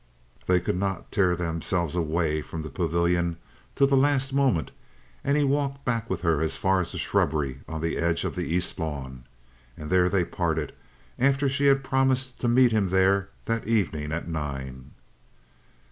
They could not tear themselves away from the pavilion till the last moment, and he walked back with her as far as the shrubbery on the edge of the East lawn, and there they parted after she had promised to meet him there that evening at nine.